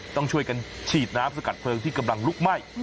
ต้องช่วยกันฉีดน้ำสกัดเพลิงที่กำลังลุกไหม้